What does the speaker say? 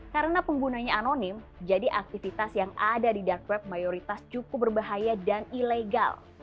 karena penggunanya anonim jadi aktivitas yang ada di dark web mayoritas cukup berbahaya dan ilegal